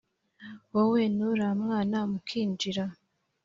wowe nuramwana mukinjira